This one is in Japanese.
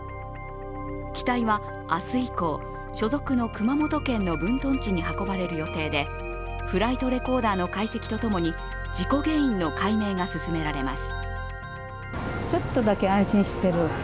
機体は明日以降、所属の熊本県の分屯地に運ばれる予定で、フライトレコーダーの解析とともに、事故原因の解明が進められます。